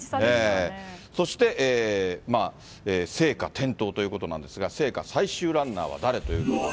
そして聖火点灯ということなんですが、聖火最終ランナーは誰ということで。